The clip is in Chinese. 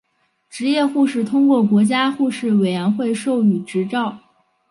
执业护士通过国家护士委员会授予执照。